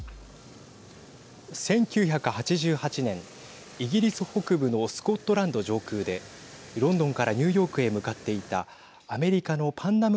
１９８８年イギリス北部のスコットランド上空でロンドンからニューヨークへ向かっていたアメリカのパンナム